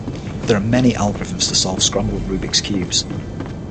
There are many algorithms to solve scrambled Rubik's Cubes.